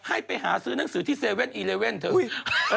ให้ไปหาซื้อหนังสือที่๗๑๑เถอะ